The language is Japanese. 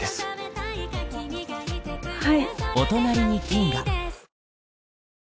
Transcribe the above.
はい。